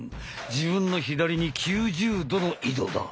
自分の左に９０度の移動だ。